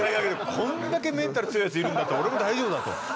こんだけメンタル強いやついるんだったら俺も大丈夫だと。